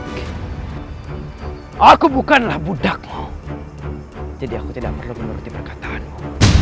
kau pikir aku takut denganmu